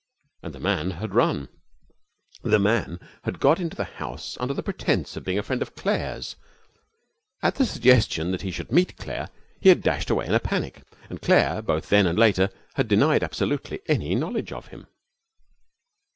and The Man had run. The Man had got into the house under the pretence of being a friend of Claire's. At the suggestion that he should meet Claire he had dashed away in a panic. And Claire, both then and later, had denied absolutely any knowledge of him.